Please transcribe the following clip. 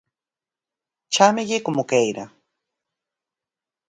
¡Chámelle como queira!